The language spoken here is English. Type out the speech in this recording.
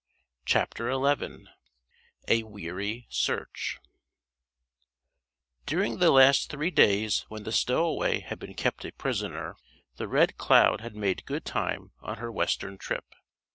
CHAPTER XI A WEARY SEARCH During the three days when the stowaway had been kept a prisoner, the Red Cloud had made good time on her western trip.